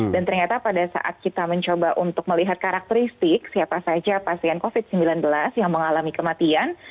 dan ternyata pada saat kita mencoba untuk melihat karakteristik siapa saja pasien covid sembilan belas yang mengalami kematian